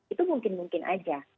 itu mungkin mungkin aja